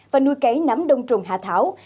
và nuôi cấy nấm đông trùng hạ thảo